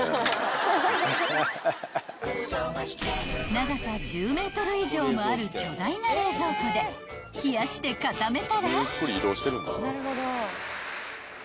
［長さ１０ｍ以上もある巨大な冷蔵庫で冷やして固めたら］